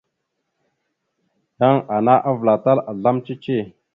Yan ana avəlatal azlam cici.